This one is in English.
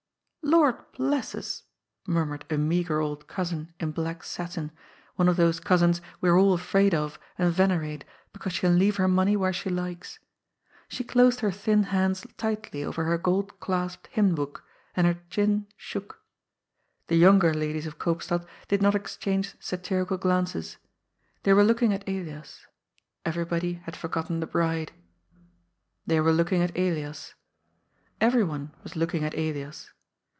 '^ Lord bless us !'' murmured a meagre old cousin in black satin, one of those cousins we are all afraid of and ven erate, because she can leave her money where she likes. She closed her thin hands tightly over her gold clasped hymn book, and her chin shook. The younger ladies of Eoopstad did not exchange satirical glances. They were looking at Elias. Everybody had forgotten the bride. They were looking at Elias. Everyone was looking at Elias.